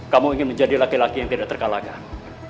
kamu ingin menjadi laki laki yang tidak terkalahkan